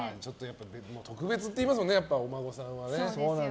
特別って言いますもんねお孫さんは。